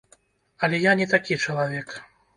Але я не такі чалавек.